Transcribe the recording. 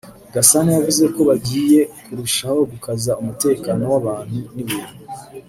Gasana yavuze ko bagiye kurushaho gukaza umutekano w’abantu n’ibintu